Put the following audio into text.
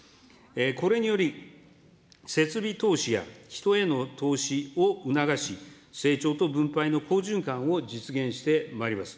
これにより、設備投資や人への投資を促し、成長と分配の好循環を実現してまいります。